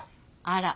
あら。